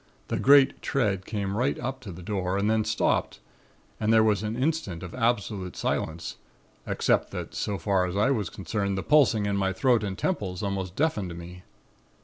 The great tread came right up to the door and then stopped and there was an instant of absolute silence, except that so far as I was concerned, the pulsing in my throat and temples almost deafened me.